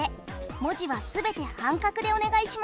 文字は全て半角でお願いします。